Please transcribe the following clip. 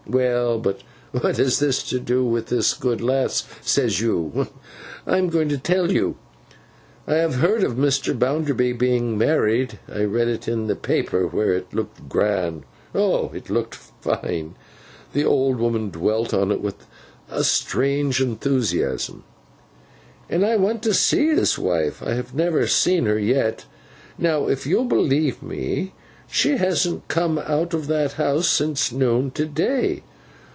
Well, but what has this to do with this good lass, says you? I'm going to tell you. I have heard of Mr. Bounderby being married. I read it in the paper, where it looked grand—oh, it looked fine!' the old woman dwelt on it with strange enthusiasm: 'and I want to see his wife. I have never seen her yet. Now, if you'll believe me, she hasn't come out of that house since noon to day.